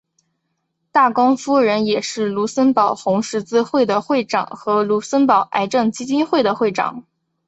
大公夫人也是卢森堡红十字会的会长和卢森堡癌症基金会的会长。